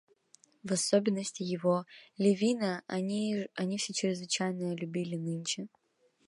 В особенности его, Левина, они все чрезвычайно любили нынче.